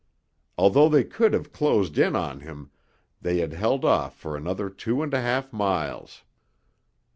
Although they could have closed in on him, they had held off for another two and a half miles.